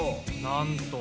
なんと。